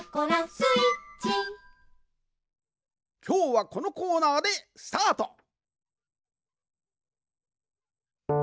きょうはこのコーナーでスタート。